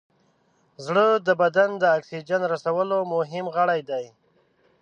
زړه د بدن د اکسیجن رسولو مهم غړی دی.